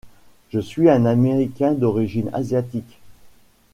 Je suis un Américain d'origine asiatique.